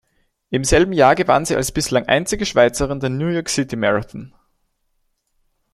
Im selben Jahr gewann sie als bislang einzige Schweizerin den New-York-City-Marathon.